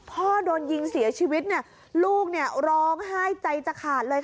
พ่อโดนยิงเสียชีวิตลูกร้องไห้ใจจะขาดเลยค่ะ